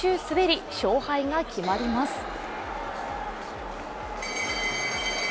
滑り勝敗が決まります。